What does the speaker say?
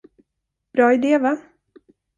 Bra idé, va?